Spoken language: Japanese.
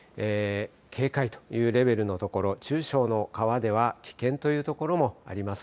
警戒というレベルのところ、中小の川では危険という所もあります。